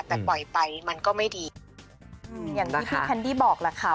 แต่ปล่อยไปมันก็ไม่ดีอืมอย่างที่พี่แคนดี้บอกแหละค่ะ